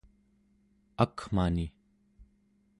akmani